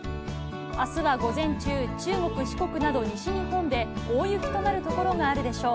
あすは午前中、中国、四国など西日本で大雪となる所があるでしょう。